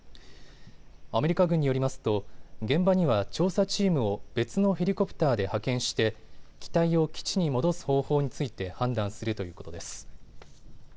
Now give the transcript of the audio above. アメリカ軍によりますと現場には調査チームを別のヘリコプターで派遣して機体を基地に戻す方法について判断するということです。